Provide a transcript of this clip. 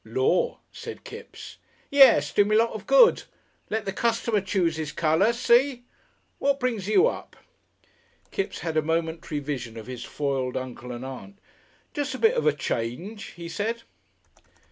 "Lor'!" said Kipps. "Yes. Do me a lot of good. Let the customer choose his colour. See? What brings you up?" Kipps had a momentary vision of his foiled Uncle and Aunt. "Jest a bit of a change," he said.